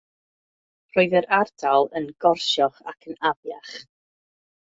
Roedd yr ardal yn gorsiog ac yn afiach.